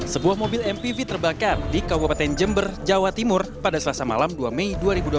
sebuah mobil mpv terbakar di kabupaten jember jawa timur pada selasa malam dua mei dua ribu dua puluh